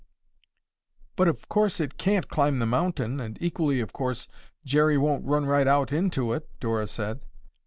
"But, of course, it can't climb the mountain and equally, of course, Jerry won't run right out into it," Dora said.